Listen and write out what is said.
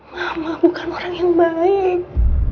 mama bukan orang yang baik